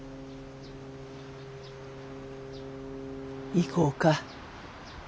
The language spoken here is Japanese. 行こうか。